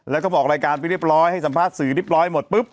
แล้วก็บอกรายการไปเรียบร้อยให้สัมภาษณ์สื่อเรียบร้อยหมดปุ๊บ